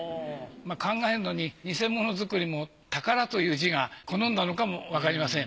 考えるのに偽物作りも宝という字が好んだのかもわかりません。